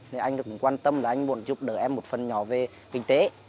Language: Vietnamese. thì anh cũng quan tâm là anh muốn giúp đỡ em một phần nhỏ về kinh tế